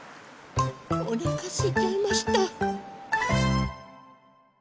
おなかすいちゃいました。